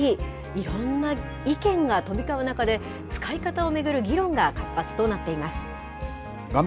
いろんな意見が飛び交う中で、使い方を巡る議論が活発となってい画面